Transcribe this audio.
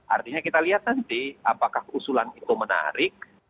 artinya kita lihat nanti apakah usulan itu menarik